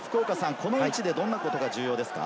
この位置でどんなことが重要ですか？